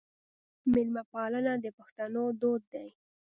میلمه پالنه د پښتنو دود دی.